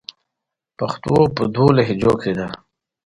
د ماشومانو شور ورو ورو کمېږي.